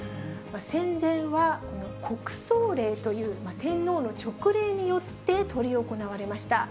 戦前は、国葬令という天皇の勅令によって執り行われました。